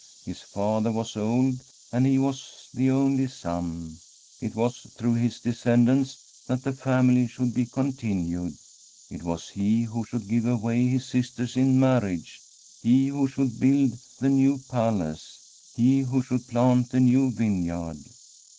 His father was old, and he was the only son ; it was through his descendants that the family should be con tinued. It was he who should give away his sis ters in marriage, he who should build the new palace, he who should plant the new vineyard.